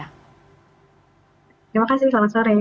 terima kasih selamat sore